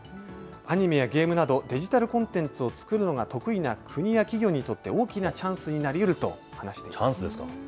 アニメやゲームなど、デジタルコンテンツを作るのが得意な国や企業にとって大きなチャンスになりチャンスですか。